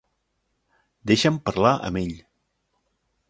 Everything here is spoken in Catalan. Deixa'm parlar amb ell.